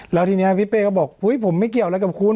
แล้วทีนี้พี่เป้ก็บอกอุ๊ยผมไม่เกี่ยวอะไรกับคุณ